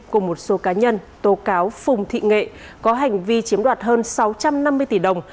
cùng một số cá nhân tố cáo phùng thị nghệ có hành vi chiếm đoạt hơn sáu trăm năm mươi tỷ đồng